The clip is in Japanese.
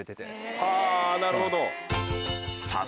はぁなるほど。